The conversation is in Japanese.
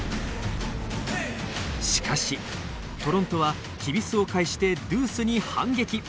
しかしトロントはきびすを返してドゥースに反撃。